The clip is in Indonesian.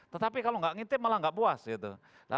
tetapi kalau nggak ngitip malah nggak puas gitu